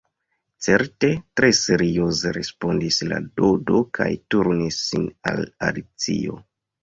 "Certe," tre serioze respondis la Dodo, kaj turnis sin al Alicio.